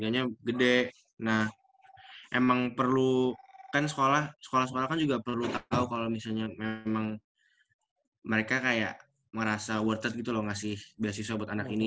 nah emang perlu kan sekolah sekolah kan juga perlu tahu kalau misalnya memang mereka kayak ngerasa worth it gitu loh ngasih beasiswa buat anak ini